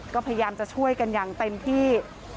ก็พยายามจะช่วยกันอย่างเต็มที่